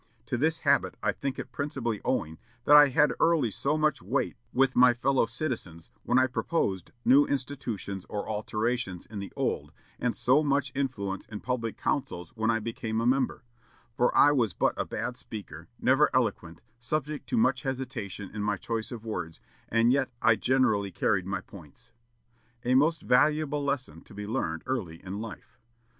To this habit I think it principally owing that I had early so much weight with my fellow citizens, when I proposed new institutions or alterations in the old, and so much influence in public councils when I became a member; for I was but a bad speaker, never eloquent, subject to much hesitation in my choice of words, and yet I generally carried my points." A most valuable lesson to be learned early in life.